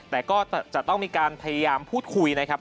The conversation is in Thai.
แต่ก็จะต้องมีการพยายามพูดคุยนะครับ